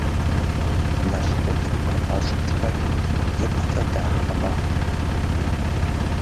Налкъутым къыхащӏьӀкӀхэри икъукӀэ дахэ мэхъу.